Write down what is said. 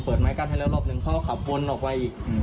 ไม้กั้นให้แล้วรอบหนึ่งเขาก็ขับวนออกไปอีก